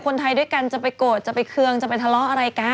คนไทยด้วยกันจะไปโกรธจะไปเคืองจะไปทะเลาะอะไรกัน